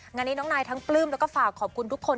งานนี้น้องนายทั้งปลื้มแล้วก็ฝากขอบคุณทุกคน